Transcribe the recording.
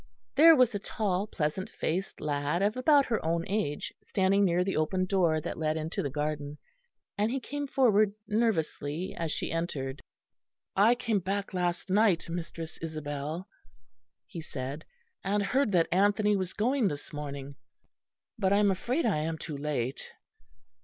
There was a tall, pleasant faced lad of about her own age standing near the open door that led into the garden; and he came forward nervously as she entered. "I came back last night, Mistress Isabel," he said, "and heard that Anthony was going this morning: but I am afraid I am too late."